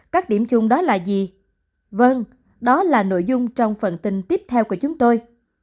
các điểm chung đó là gì vâng đó là nội dung trong phần tin tiếp theo của chúng tôi